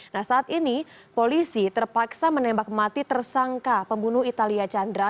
nah saat ini polisi terpaksa menembak mati tersangka pembunuh italia chandra